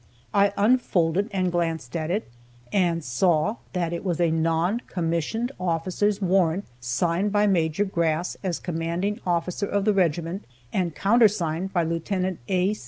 I unfolded and glanced at it, and saw that it was a non commissioned officer's warrant, signed by Major Grass as commanding officer of the regiment, and countersigned by Lieut. A.